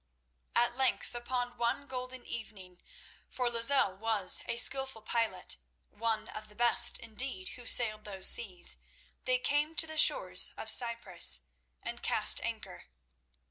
At length upon one golden evening—for Lozelle was a skilful pilot, one of the best, indeed, who sailed those seas—they came to the shores of Cyprus, and cast anchor.